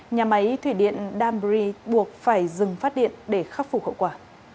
nhà máy thủy điện dambri buộc phải dừng phát điện để khắc phục hậu quả